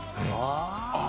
ああ。